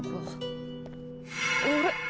あれ？